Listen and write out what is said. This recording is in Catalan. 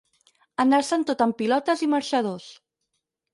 Anar-se'n tot en pilotes i marxadors.